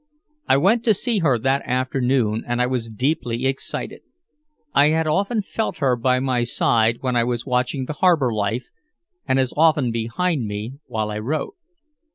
I went to see her that afternoon, and I was deeply excited. I had often felt her by my side when I was watching the harbor life and as often behind me while I wrote.